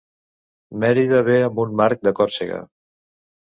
Marida bé amb un marc de Còrsega.